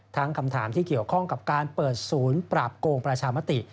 คำถามที่เกี่ยวข้องกับการเปิดศูนย์ปราบโกงประชามติ